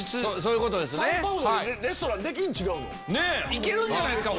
いけるんじゃないですか？